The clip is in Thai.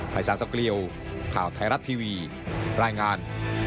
สารสเกลียวข่าวไทยรัฐทีวีรายงาน